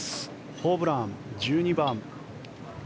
ホブラン、１２番。